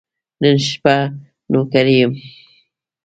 نن شپه نوکري یم .